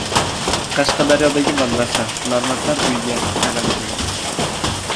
Qashqadaryodagi madrasa Hunarmandlar uyiga aylantiriladi